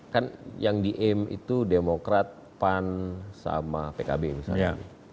kan yang di aim itu demokrat pan sama pkb misalnya